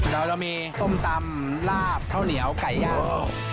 แล้วเรามีส้มตำลาบเท้าเหนียวไก่ย่าง